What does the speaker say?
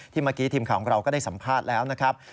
เมื่อกี้ทีมข่าวของเราก็ได้สัมภาษณ์แล้วนะครับ